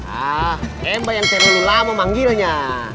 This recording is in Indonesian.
ah temba yang terlalu lama manggilnya